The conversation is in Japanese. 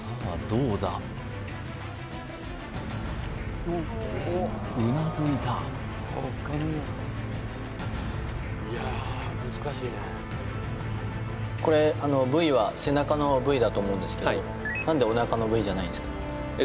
うなずいたこれ部位は背中の部位だと思うんですけど何でおなかの部位じゃないんですか？